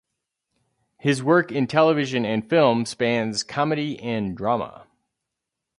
His work in television and film spans comedy and drama.